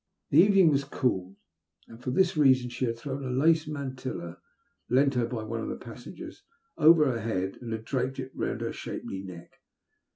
The evening was cool, and for this reason she had thrown a lace mantilla, lent her by one of the passengers, over her head, and had draped it round her shapely neck.